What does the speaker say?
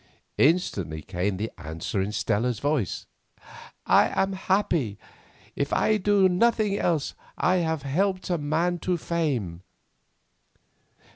Instantly came the answer in Stella's voice. "I am very happy. If I do nothing else I have helped a man to fame."